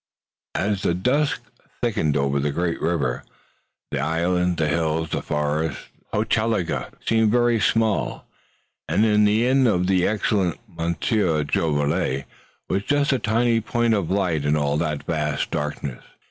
As the dusk thickened over the great river, the island, the hills and the forest, Hochelaga seemed very small, and the inn of the excellent Monsieur Jolivet was just a tiny point of light in all that vast darkness.